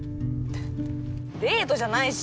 デートじゃないし。